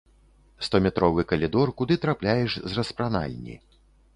Стометровы калідор, куды трапляеш з распранальні.